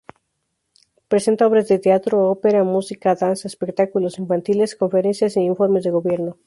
Presenta obras de teatro, ópera, música, danza, espectáculos infantiles, conferencias e informes de gobierno.